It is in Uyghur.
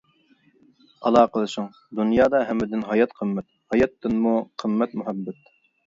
ئالاقىلىشىڭ، دۇنيادا ھەممىدىن ھايات قىممەت، ھاياتتىنمۇ قىممەت مۇھەببەت.